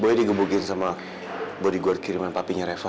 boleh di gembukin sama bodyguard kiriman papinya reva